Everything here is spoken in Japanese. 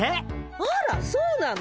あらそうなの？